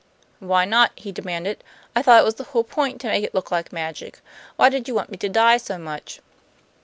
"Why not?" he demanded. "I thought it was the whole point to make it look like magic. Why did you want me to die so much?"